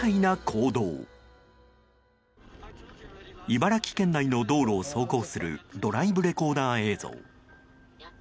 茨城県内の道路を走行するドライブレコーダー映像。